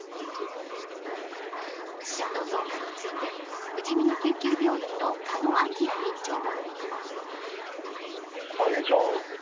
死者の増加についてふじみの救急病院の鹿野晃院長は。